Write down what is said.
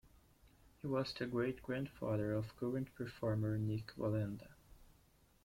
He was the great-grandfather of current performer Nik Wallenda.